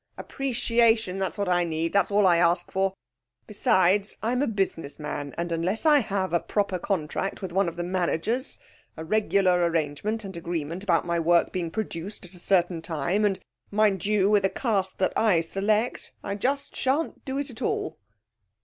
Appreciation! that's what I need that's all I ask for. Besides, I'm a business man, and unless I have a proper contract with one of the Managers a regular arrangement and agreement about my work being produced at a certain time and, mind you, with a cast that I select I just shan't do it at all.'